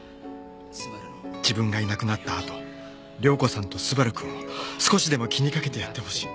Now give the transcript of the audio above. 自分がいなくなったあと亮子さんと昴くんを少しでも気にかけてやってほしい。